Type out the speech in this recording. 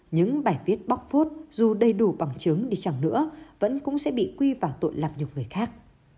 những bài viết bóc phốot dù đầy đủ bằng chứng đi chẳng nữa vẫn cũng sẽ bị quy vào tội làm nhục người khác